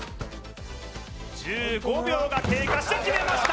１５秒が経過して決めました